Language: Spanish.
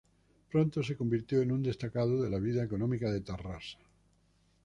Pronto se convirtió en un destacado de la vida económica de Tarrasa.